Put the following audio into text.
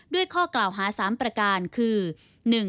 ข้อกล่าวหา๓ประการคือ